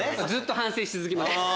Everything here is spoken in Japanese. ずっと反省し続けます。